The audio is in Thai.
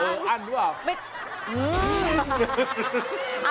อั้นหรือเปล่า